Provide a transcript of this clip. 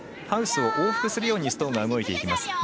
ハウスを往復するようにストーンが動いていきます。